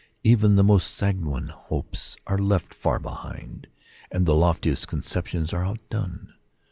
Even the most sanguine hopes are left far behind, and the loftiest conceptions are outdone.